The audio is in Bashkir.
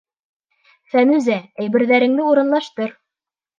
Фәнүзә, әйберҙәреңде урынлаштыр!